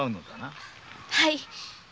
はい。